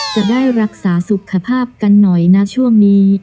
จะได้รักษาสุขภาพกันหน่อยนะช่วงนี้